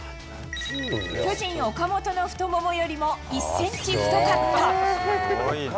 巨人、岡本の太ももよりも１センチ太かった。